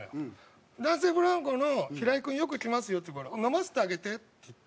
「男性ブランコの平井君よく来ますよ」っていうから「飲ませてあげて」って言って。